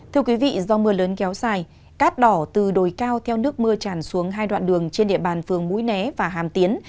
thưa quý vị do mưa lớn kéo dài cát đỏ từ đồi cao theo nước mưa tràn xuống hai đoạn đường trên địa bàn phường mũi né và hàm tiến